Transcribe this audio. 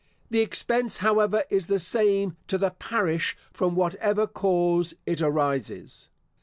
The expense, however, is the same to the parish from whatever cause it arises.